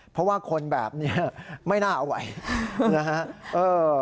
เพราะว่าคนแบบนี้ไม่น่าเอาไหวนะฮะ